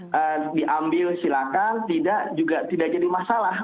mereka diambil silakan tidak jadi masalah